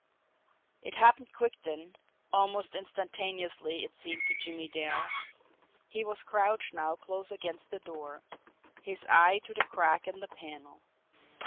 It happened quick then, almost instantaneously it seemed to Jimmie Dale. He was crouched now close against the door, his eye to the crack in the panel.